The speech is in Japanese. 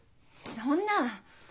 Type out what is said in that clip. そんな！